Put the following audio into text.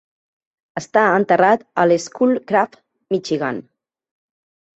Està enterrat a Schoolcraft, Michigan.